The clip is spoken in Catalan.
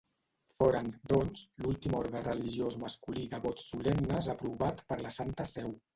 Foren, doncs, l'últim orde religiós masculí de vots solemnes aprovat per la Santa Seu.